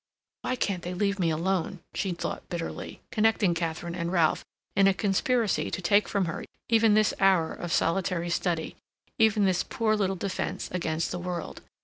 "Why can't they leave me alone?" she thought bitterly, connecting Katharine and Ralph in a conspiracy to take from her even this hour of solitary study, even this poor little defence against the world.